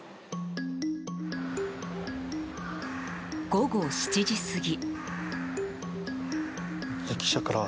午後７時すぎ。